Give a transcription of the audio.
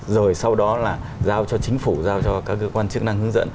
rồi sau đó là giao cho chính phủ giao cho các cơ quan chức năng hướng dẫn